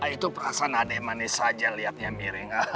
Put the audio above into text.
itu perasaan adik manis saja liatnya miring